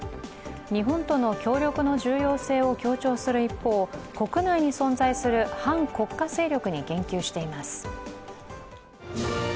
日本との協力の重要性を強調する一方国内に存在する反国家勢力に言及しています。